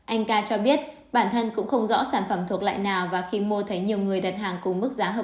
anh k cho biết bản thân cũng không rõ sản phẩm thuộc loại nào và khi mua thấy nhiều người đặt hàng cùng mức giá hợp lý